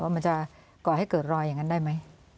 มันจะก่อให้เกิดรอยอย่างนั้นได้ไหม